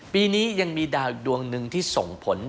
ปีนี้ยังมีดาวอีกดวงหนึ่งที่ส่งผล